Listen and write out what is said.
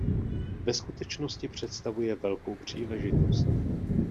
Ve skutečnosti představuje velkou příležitost.